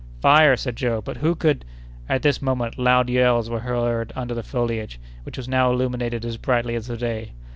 "Fire!" said Joe. "But who could—" At this moment loud yells were heard under the foliage, which was now illuminated as brightly as the day.